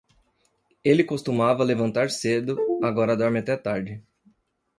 Ele costumava levantar cedo, agora dorme até tarde.